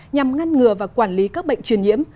nhằm ngăn ngừa và quản lý các bệnh truyền nhiễm